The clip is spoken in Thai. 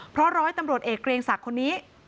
เพราะร้อยตำรวจเอกเกรียงศักดิ์คนนี้